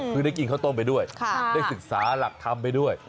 คือได้กินข้าวต้มไปด้วยได้ศึกษาหลักธรรมไปด้วย